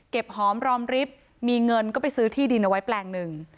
หอมรอมริบมีเงินก็ไปซื้อที่ดินเอาไว้แปลงหนึ่ง